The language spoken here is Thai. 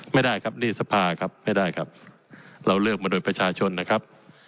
ไม่ได้ครับนี่สภาครับไม่ได้ครับเราเลือกมาโดยประชาชนนะครับ